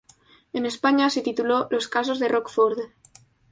En España se tituló "Los casos de Rockford".